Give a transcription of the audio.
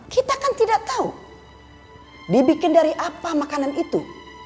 kita kan tidak tahu dibikin dari apa makanan itu